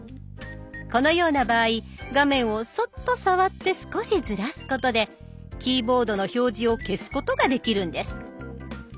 このような場合画面をそっと触って少しずらすことでキーボードの表示を消すことができるんです。